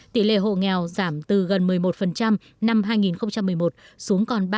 tỷ lệ hộ nghèo giảm từ gần một mươi một năm hai nghìn một mươi một xuống còn ba một mươi bảy năm